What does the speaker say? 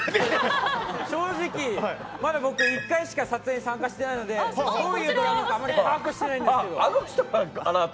正直、僕まだ１回しか撮影参加してないのでどういうのか把握してないんですけど。